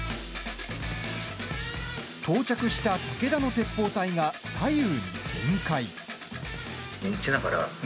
到着した武田の鉄砲隊が左右に展開。